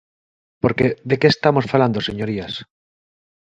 Porque ¿de que estamos falando, señorías?